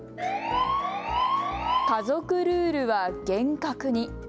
家族ルールは厳格に。